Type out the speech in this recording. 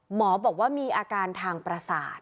หมอบอกว่ามีอาการทางประสาท